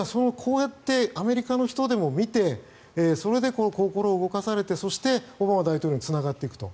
アメリカの人でも見て、それで心を動かされてそしてオバマ大統領につながっていくと。